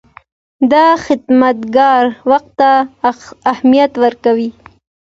دا خدمتګر وخت ته اهمیت ورکوي.